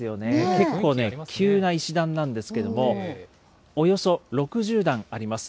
結構ね、急な石段なんですけれども、およそ６０段あります。